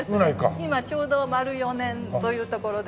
今ちょうど丸４年というところですね。